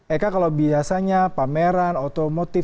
eka kalau biasanya pameran otomotif